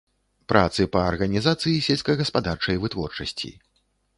Працы па арганізацыі сельскагаспадарчай вытворчасці.